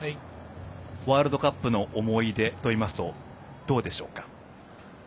ワールドカップの思い出といいますとどうですか。